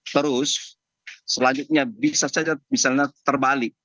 terus selanjutnya bisa saja misalnya terbalik